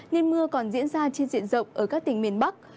nên mưa còn diễn ra trên diện rộng ở các tỉnh miền bắc